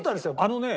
あのね